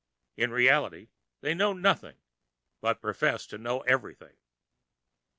In reality they know nothing, but profess to know everything. IV.